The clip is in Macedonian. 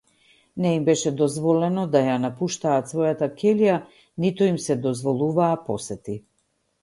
Не им беше дозволено да ја напуштаат својата ќелија, ниту им се дозволуваа посети.